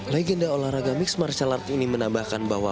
legenda olahraga mixed martial art ini menambahkan bahwa